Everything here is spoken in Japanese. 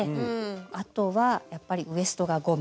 あとはやっぱりウエストがゴム。